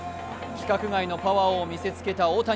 規格外のパワーを見せつけた大谷。